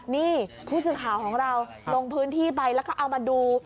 นี่ผู้สื่อข่าวของเราลงพื้นที่ไปแล้วก็เอามาดู